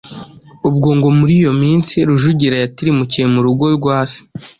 Ubwo ngo muri iyo minsi, Rujugira yatirimukiye mu rugo rwa se,